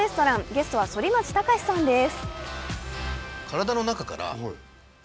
ゲストは反町隆史さんです。